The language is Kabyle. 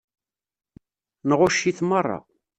Nɣucc-it meṛṛa.